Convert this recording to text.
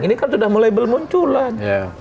ini kan sudah mulai bermunculan